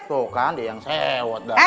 tuh kan dia yang sewot